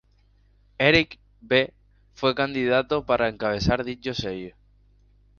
Eric B. fue candidato para encabezar dicho sello.